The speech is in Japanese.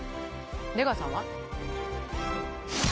出川さんは？